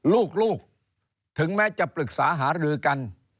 ลูกถึงแม้จะปรึกษาหารือกัน